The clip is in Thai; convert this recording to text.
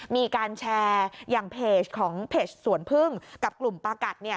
มีการแชร์อย่างเพจส่วนพึ่งกับกลุ่มปากัด